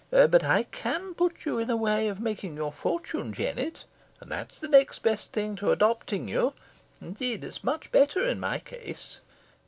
But I can put you in a way of making your fortune, Jennet, and that's the next best thing to adopting you. Indeed, it's much better in my case."